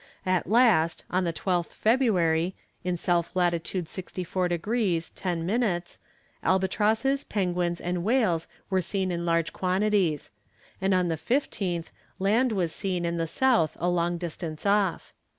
At last, on the 12th February, in S. lat. 64 degrees 10 minutes albatrosses, penguins, and whales were seen in large quantities; and on the 15th land was seen in the south a long distance off.